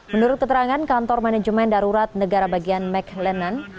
menurut keterangan kantor manajemen darurat negara bagian mclenan